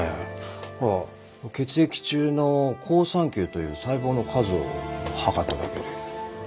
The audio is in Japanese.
ほら血液中の好酸球という細胞の数を測っただけで。